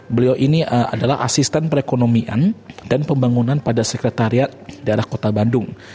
beliau ini adalah asisten perekonomian dan pembangunan pada sekretariat daerah kota bandung